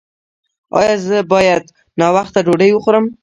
ایا زه باید ناوخته ډوډۍ وخورم؟